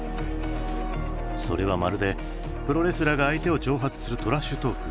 それはまるでプロレスラーが相手を挑発するトラッシュトーク。